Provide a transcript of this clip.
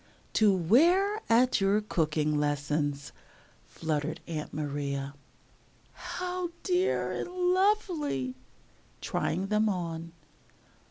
"To wear at your cooking lessons," fluttered Aunt Maria. "How dear and lovely!" (Trying them on.)